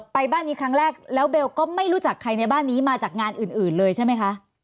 บ้านนี้ครั้งแรกแล้วเบลก็ไม่รู้จักใครในบ้านนี้มาจากงานอื่นเลยใช่ไหมคะ